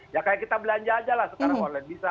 ya kayak kita belanja aja lah sekarang online bisa